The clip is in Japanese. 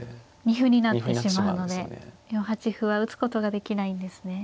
二歩になってしまうので４八歩は打つことができないんですね。